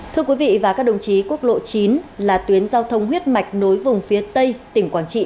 thưa quý vị và các đồng chí quốc lộ chín là tuyến giao thông huyết mạch nối vùng phía tây tỉnh quảng trị